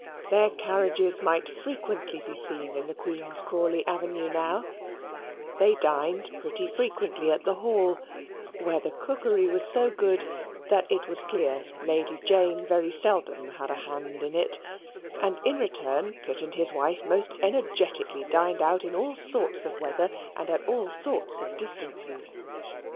Their carriages might frequently be seen in the Queen's Crawley avenue now; they dined pretty frequently at the Hall (where the cookery was so good that it was clear Lady Jane very seldom had a hand in it), and in return Pitt and his wife most energetically dined out in all sorts of weather and at all sorts of distances.